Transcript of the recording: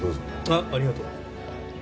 あっありがとう。